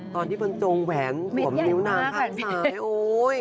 ตอนที่บรรจงแหวนสวมนิ้วนางข้างซ้ายโอ๊ย